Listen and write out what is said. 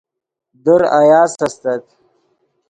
در آیاس استت